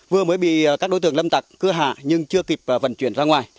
vừa mới bị các đối tượng lâm tặc cưa hạ nhưng chưa kịp vận chuyển ra ngoài